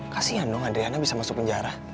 kasian dong adriana bisa masuk penjara